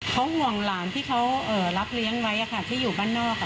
เขาห่วงหลานที่เขารับเลี้ยงไว้ที่อยู่บ้านนอก